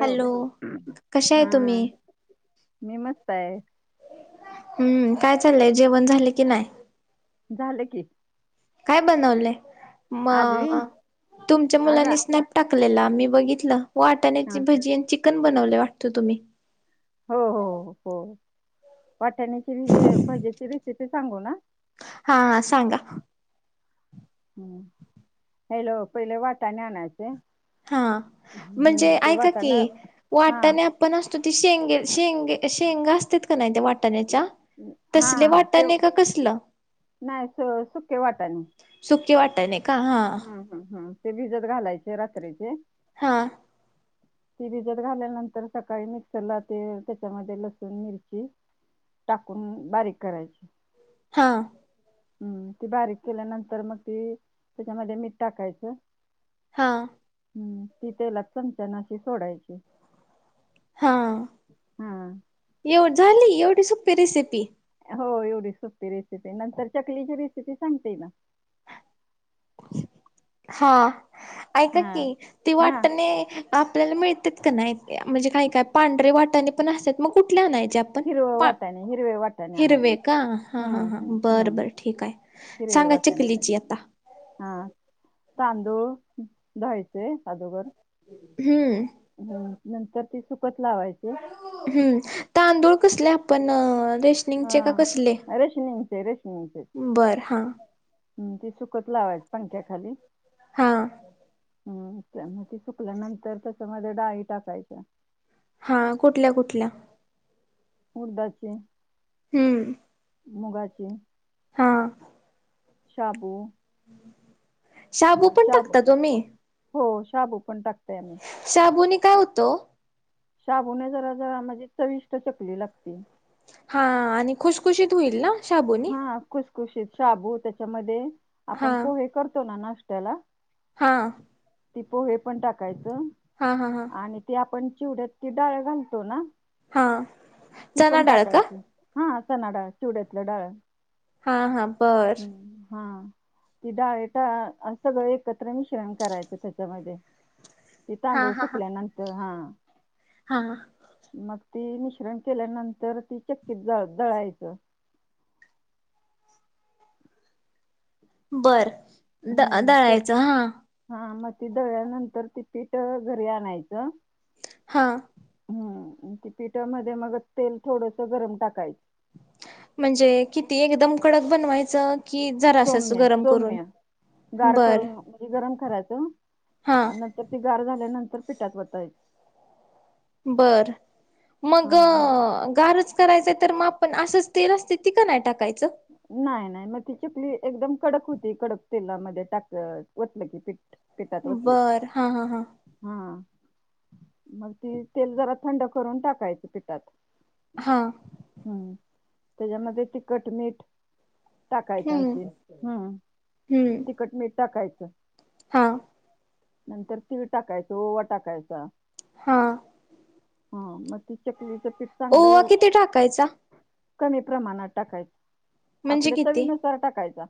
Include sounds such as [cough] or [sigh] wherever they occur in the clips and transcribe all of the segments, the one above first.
Hello हा कशाय तुम्ही? मी मस्त आहे हम्म काय चाललंय जेवण झाले की नाय. झाल की काय बनवलंय म आजवी तुमच्या आज आ मुलांनी स्नॅप टाकलेला मी बघितलं हा वाटाण्याची भाजी आणि चिकन बनवले वाटत तुम्ही? हो हो हो वाटाण्याची भिजी भज्याची रेसिपी सांगू ना. हा सांगा. हम्म पहिले पहिले वाटाने आणायचे हा म्हणजे हम्म ते ऐका की वाटाणा हा वाट्याण्य आप पण असतो ती शेंगे शेंगे शेंगा असत्यात का नाही त्या वाटण्याच्या हा ह हा तेव नाय सु सुखे वाटाने. सुके वाटाणे का हा हूं हूं ते भिजत घालायचे रात्रीचे हा. ती भिजत घाल्यानंतर सकाळी मिक्सरला ते त्याच्यामध्ये लसूण मिरची टाकून बारीक करायची. हां हम्म ती बारीक केल्यानंतर म ती त्याच्यामध्ये मीठ टाकायचं. हां हम्म ती तेलात चमच्याना अशी सोडायची. हा हा एव झाली एवढी सोपी रेसिपी. हो एवढी सुपी रेसिपी नंतर चकलीची रेसिपी सांगते ना. हा ऐका की हां. ती हां, वाटाणे आपल्याला मिळतात का नाय म्हणजे काय काय पांढरे वाटाणे पण असतात मग कुठले आणायचे? पण हिरवं पा वाटाणे, हिरवे वाटाणे आणायचे. हिरवे का हा हा हं, हं, हां बर हं. बर ठीक आहे. सांगा चकलीची आता हा तांदूळ धुवायचे अगोदर हम्म हम्म नंतर ते सुकत लावायचे. हम्म तांदूळ कसले आपण रेश हा रेशनींगचे रेशनींगचे. बर हा हम् ते सुकत लावायचे पंख्याखाली. हां. हम् त्याच्या मध्ये सुकल्यानंतर त्याच्या मध्ये डाळी टाकायच्या. हा कुठल्या कुठल्या? उडदाची. हम्म. मुगाची. हा. शाबू. शाबू पण टाकता तुम्ही? हो शाबू पण टाकतय आम्ही. शाबुने काय होतो? शाबून जरा जरा माझी चविष्ट चकली लागते. हा आणि खुशखुशीत होईल ना. शाबूनी हा खुसखुशीत शाबू त्याच्यामध्ये हा आपण पोहे करतो ना नाश्त्याला हा. ती पोहे पण टाकायचं. हा हा हा. आणि ती आपण चिवड्यात ती डाळ घालतो ना, हा ती चना पण डाळ का टाकायच. हा चना डाळ, चवडेतलं डाळ. हा हा बर. हा. तिडायट असं सगळं एकत्र मिश्रण करायचं त्याच्यामध्ये. ते हा तांदुळ हा हा सुकल्या नंतर हा. हा. मग ती मिश्रण केल्यानंतर ती चक्कीत ज दळायचं. बरं. हम्म चक, हा मग ती दळल्यानंतर ती पीठ घरी आणायचं. हा. हम्म त पिठामध्ये मग तेल थोडस गरम टाकायचं. म्हणजे किती एकदम कडक बनवायचं कि जरास सौम्य गरम करून? सौम्य गार बर करून म्हणजे गरम करायचं हा आणि नंतर तिगार झाल्यानंतर पिठात वतायच. बर, मग गारच करायचं तर मग आपण असंच तेल असते ती का नाही टाकायच? नाही नाही मग ती चकली एकदम कडक होती कडक तेलामध्ये टाक होतलं की पीठ. पटात होतलय. बर हा हा हा हा, मग ती तेल जरा थंड करून टाकायच पिठात. हा हम्म, त्याच्यामध्ये तिखट मिठ टाकायचं हम्म आणखी हम्म, हम्म तखट मीठ टाकायचं. हा. नंतर तीळ टाकायचं ओवा टाकायचा. हा. हा मग ती चकली चकलीत ओवा चांगलं किती टाकायचा कमी प्रमाणात टाकायच, म्हणजे आपल्या किती चवीनुसार टाकायचा.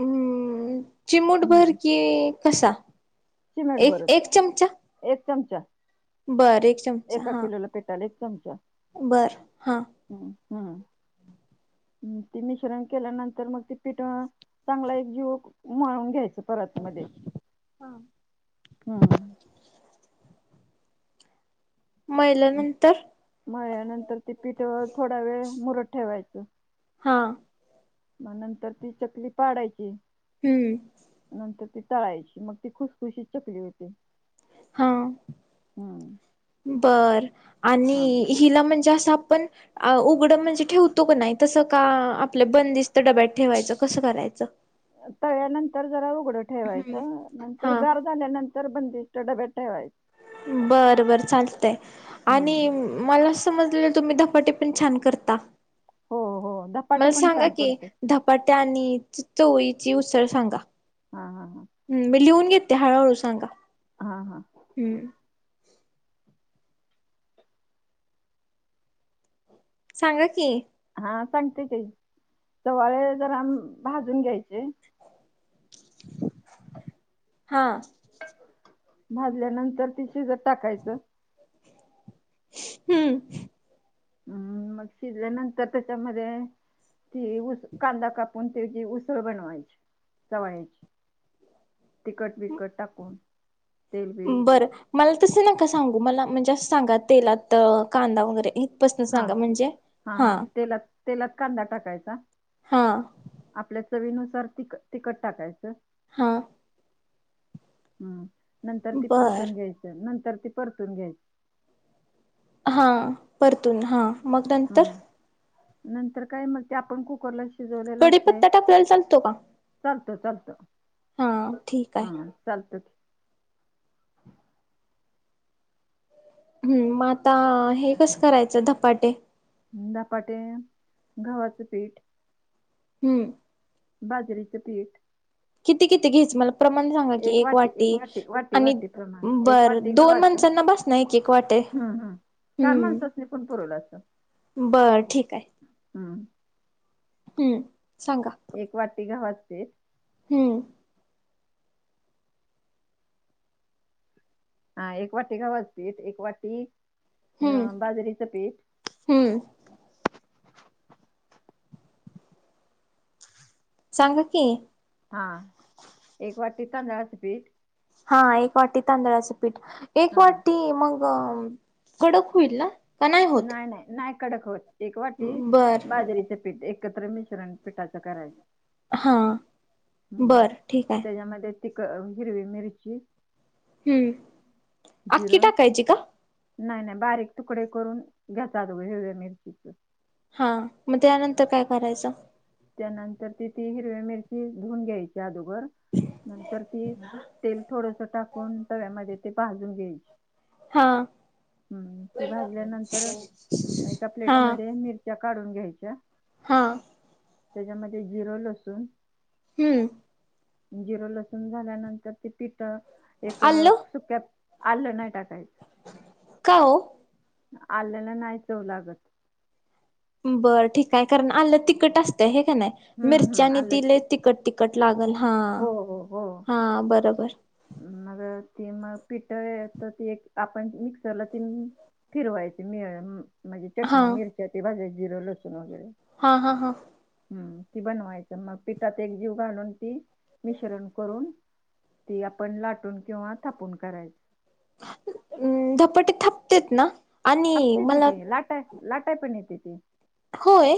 हम् चिमुूटभर कि कसा? चिमेट एक भर, एक चमचा एक चमचा. बर एक चमचा एका हा किलोला पिटाला एक चमचा. बर हा हम् हम्म, हम् ती मिश्रण केल्यानंतर मग ती पिठव चांगला एक जीवक म्हळून घ्यायचा परत मध्ये. हां! हं! मयील्यानंतर? मळ्ल्या नंतर ते पीठअ थोडा वेळ मुरत ठेवायचं. हा! म नंतर ती चकली पाडायची. हूं! नंतर ती तळायची, मग ती खुसखुशीत चकली होते. हा हम्म बर आणि हा हिला म्हणजे असं आपण अ उघडं म्हणजे ठेवतो का नाही, तसं का आपलं बंदिस्त डब्यात ठेवायचं कसं करायचं. तळल्यानंतर जरा उघडं हम्म ठेवायचं नंतर हा गार झाल्यानं तर बंदिस्त डब्यात ठेवाय बरं बर चालतय हम्म आणि मला समजले तुम्ही धपाटे पण छान करता. हो हो धपाटे पण छान करतो. पत्या च चवळीची उसळ सांगा. हा हा हं मी लिहून घेते हळूहळू सांगा. हा हा! हूं! सांगा की? हा सांगते की सवाळे जरा भाजून घ्यायचे. हा! भाजल्यानंतर ते शिजत टाकायचं. हूं! हूं मग शिजल्यानंतर त्याच्यामध्ये ती ऊस कांदा काप पण त्याची उसळ बनवायची त चवायची. तिखट बिकट टाकून तेलबिल बर मला तस नका सांगू मला म्हणजे असं सांगा तेलात कांदा वगैरे इथपासन हा सांगा म्हणजे हा हा तेलात तेलात कांदा टाकायचा? हा आपल्या चवीनुसार ती तिखट टाकायचं. हा! हूं नंतर ती बर परतून घ्यायचं नंतर ती परतून घ्याय हां परतून हां. हूं नंतर काय म ते आपण कुकरला शिजवलेल असतय कडीपत्ता टाकलेला चालतो का चालत चालत. हा ठीक आहे ह चालतच. हूं म आता हे कसं करायचं धपाटे? धपाटे गव्हाचं पीठ. हूं! बाजरीचं पीठ, किती किती घेयच मला प्रमाण सांगा की एक वाटी, आणि बर दोन माणसांना बसणा एक, एक, वाटी. हं हं चार माणसांनी पण पुरवला असंत. बरं ठीक आहे. हूं! हूं सांगा. एक वाटी गव्हाच पीठ. हूं! हा एक वाटी गव्हा चं पीठ एक वाटी अ बाजरीचं पीठ. हूं! सांग की हा... एक वाटी तांदळाचं पीठ हा... एक वाटी तांदळाचं पीठ... एक हा वाटी मग अ... कडक होईल ना? का नाही होत नाय नाय, नाय कडक होत... एक वाटी बर बाजरीचं पीठ एकत्र मि [unintelligible] पिठाचं करायचं.. हा बर ठीक आहे त्याच्यामध्ये तिख... हिरवी मिरची हम्म... अख्खी टाकायची का? नाई नाई... बारीक तुकडे करून... घेतात हिरवी मिरची हा... मग त्यानंतर काय करायचं? त्यानंतर ती... तीन हिरव्या मिरची धुऊन घ्यायच्या अगोदर बरं... नंतर ती... तेल थोडसं टाकून... तव्यामध्ये ते भाजून घ्यायची हा हम्म... ती भाजल्यानंतर एका हा प्लेटमध्ये मिर त्या काढून घ्यायच्या हा त्याच्यामध्ये जिरं लसून हुं जिरं लसूण झाल्यानंतर... ते पिठ.. एक आलं सुक्या आलं नाही टाकायचं का ओ? आल्याला नाही चव लागत बरं ठीक हाय... कारण आलं तिखट असतं, है का नाय... हम्म मिरची हम्म आणि आलं ते लई तिखट तिख तिखट लागल... हा... हो हो हो हा बरोबर मग ते मग [unintelligible] तर ते एक आपण मिक्सरला ती फिरवायची... मी... म्हणजे हा चटणी मिरच्या ते भाज्या जिरं लसूण वगैरे हा हा हा हम्म... ती बनवायचं मग.... पिठात एकजीव घालून ती मिश्रण करून... ती आपण लाटून किंवा थापून करायचं अ... धपाटे थापतेेत ना आणि थापते ते मला की लाटाय लाटाय पण येते ती होय...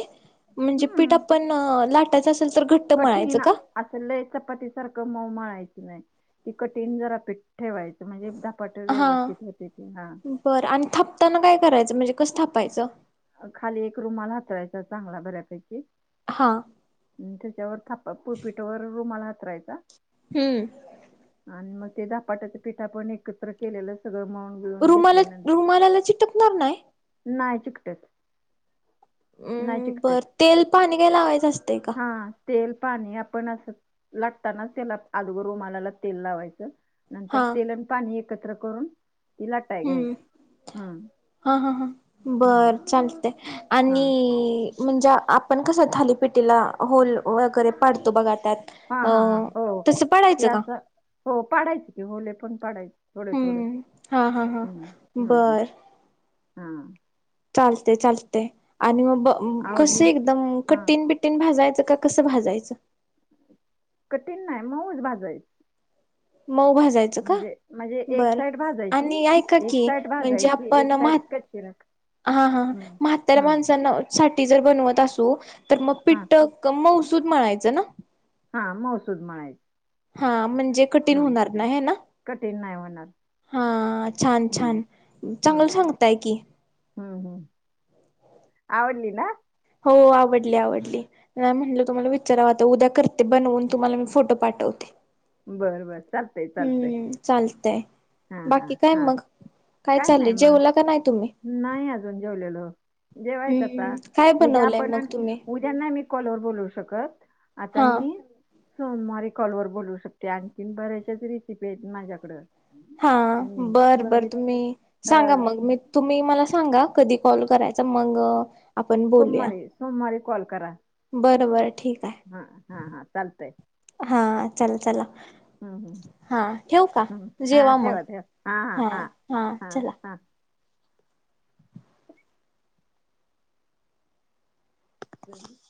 म्हणजे पीठ हम्म आपण लाटायचं असल तर घट कठीण असं लय चपाती सारखं मऊ मळायचं नाई. ती कठीण जरा पीठ ठेवायचं म्हणजे धपाटं हा व्यवस्थित होतं ते हा बरं... आणि थापताना काय करायचं म्हणजे कसं थापायचं? खाली एक रूमाल हातरायचा चांगला बऱ्यापैकी हां त्याच्यावर थापा.. पोळपीठावर रुमाल हातरायचा हम्म आणि मग ते धपाट्याचं पिठ आपण एकत्र केलेलं, सगळं मळून बिळून रुमाला... रुमालाला चिटकणार नाय? नाय चिकटत, नाय अम बर चिकटत तेल पाणी... काही लावायचं असतय का? हा... तेल पाणी, आपण असं लाटतानाच, त्याला आगुदर रुमालाला तेल लावायचं नंतर हा तेल आणि पाणी एकत्र करून लाटाय हम्म, घ्यायची हम्म हा हा हा... हम्म बर चालतंय हा आणि... म्हणजे आपण कसं थालीपेटीला होल वगैरे पाडतो बघा त्यात हा अ... हा हा हो तसं ते पडायचं का? असं हो... पाडायची की, होले पण पाडायची थोडे थोडे... हम्म हा हा हा हुं.. हुं हुं... बर हा चालते चालते आणि मग ब कस आवडली एकदम हा कठीण ब भाजाचं का कसं भाजायचं? कठीण नाही मऊच भाजायचं. मऊ भाज म्हणजे ब एक साइड भाजायची आणि क एक साइड म्हणजे भाजायची एक आपण. साइड कच्ची राख [inaudible] हा हा हम्म मगात्यार हम्म माणसांना. साठी जर बनवत असू तर मग हा पिठक मौसूद म्हणायचं ना. हा मसूद म्हणायच. हा म्हणजे कठीण होणार ना, हा ना? कठीण नाही होणार. हा छान हम्म छान चांगलं हम्म सांगताय की. हम्म हम्म, आवडली ना? हो आवडली आवडली. नाही म्हटलं तुम्हाला विचाराव तर उद्या करते बनवून तुम्हाला मी फोटो पाठवते. बरं बर चालतंय चालतंय. चालते. हा हा हा काय नाही चाललंय मग जेवला का नाही तुम्ही नाही अजून जेवलेल. जेवायच आता हम्म काय उद्या बनवलंय मग तुम्ही आपणद्या. त्यांना मी कॉलवर बोलवू शकत आता हा मी. सोमवारी कॉलवर बोलवू शकते आणखी बऱ्याच्याच रेसिपी आहेत माझ्याकडं. हा हम्म बरं बर नवनीत तुम्ही अ सांगा मग मी. तुम्ही मला सांगा कधी कॉल करायचा मग. आपण बोलूया सोमवारी सोमवारी कॉल करा. [inaudible] बर बर ठीक आहे. हा हा हा चालतेय. हा चल चला. हम्म हा ठेव का हम्म हा जेवा मग ठेवा ठेवा. हा हा चला. [unintelligible]